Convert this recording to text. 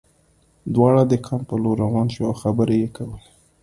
دواړه د کان په لور روان شول او خبرې یې کولې